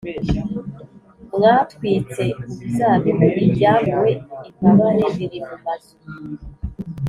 Mwatwitse uruzabibu Ibyambuwe imbabare biri mu mazu